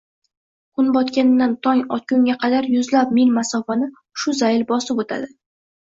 kun botgandan tong otgunga qadar yuzlab mil masofani shu zayl bosib o‘tadi.